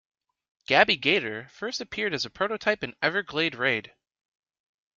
Gabby Gator first appeared as a prototype in "Everglade Raid".